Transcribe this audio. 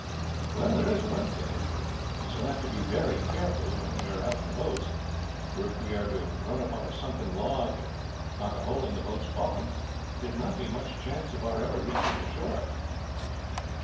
"Well, there is one thing we shall have to be very careful when we are out in boats, for if we were to run upon a sunken log and knock a hole in the boat's bottom, there would not be much chance of our ever reaching the shore."